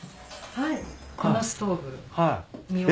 はい。